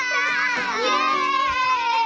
イエイ！